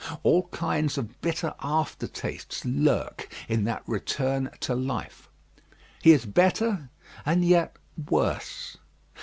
All kinds of bitter aftertastes lurk in that return to life. He is better, and yet worse.